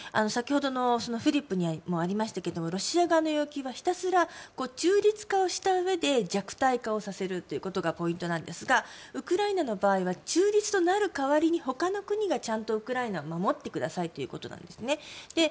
先ほどのフリップにもありましたがロシア側の要求はひたすら中立化したうえで弱体化をさせるということがポイントなんですがウクライナの場合は中立となる代わりに、ほかの国がちゃんとウクライナを守ってくださいということなんですね。